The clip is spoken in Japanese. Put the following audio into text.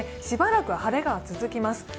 しばらく晴れが続きます。